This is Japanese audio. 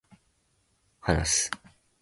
話す